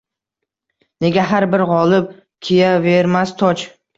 Nega har bir g‘olib kiyavermas toj